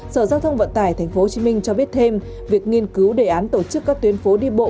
sở giao thông vận tải tp hcm cho biết thêm việc nghiên cứu đề án tổ chức các tuyến phố đi bộ